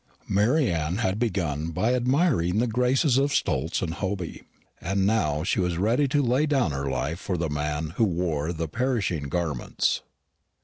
Mary Anne had begun by admiring the graces of Stultz and Hoby, and now she was ready to lay down her life for the man who wore the perishing garments.